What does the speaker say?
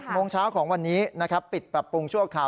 ๗โมงเช้าของวันนี้ปิดปรับปรุงชั่วข่าว